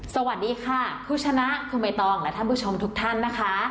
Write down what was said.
สวัสดีค่ะคุณชนะคุณใบตองและท่านผู้ชมทุกท่านนะคะ